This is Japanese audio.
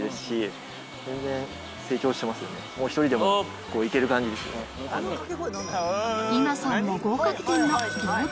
１人でも行ける感じですね。